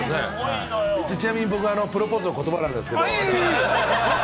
ちなみに僕のプロポーズの言葉なんですけれど。